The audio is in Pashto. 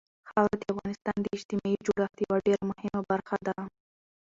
خاوره د افغانستان د اجتماعي جوړښت یوه ډېره مهمه برخه ده.